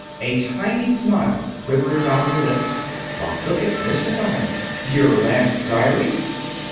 A tiny smile quivered about her lips. Buck took it, mystified. "Your last diary?"